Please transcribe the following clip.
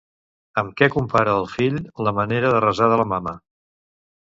Amb què compara el fill la manera de resar de la mama?